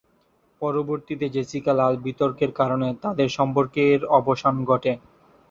পরবর্তীতে জেসিকা লাল বিতর্কের কারণে তাদের সম্পর্কের অবসান ঘটে।